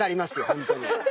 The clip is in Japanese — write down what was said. ホントに。